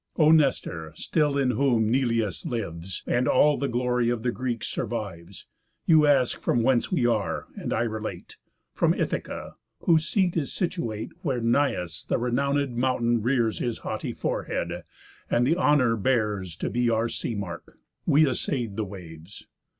"O Nestor! still in whom Nelëus lives! And all the glory of the Greeks survives, You ask from whence we are, and I relate: From Ithaca (whose seat is situate Where Neius, the renownéd mountain, rears His haughty forehead, and the honour bears To be our sea mark) we assay'd the waves.